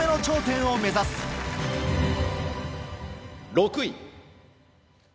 ６位。